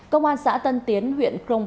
công an xã tân tiến huyện công công